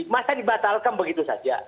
masa dibatalkan begitu saja